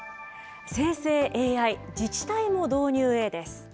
生成ＡＩ自治体も導入へです。